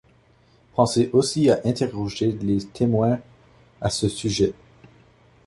Penser aussi à interroger les témoins à ce sujet.